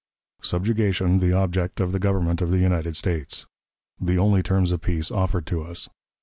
Subjugation the Object of the Government of the United States. The only Terms of Peace offered to us.